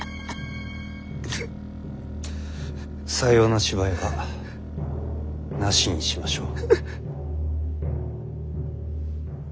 さような芝居はなしにしましょう。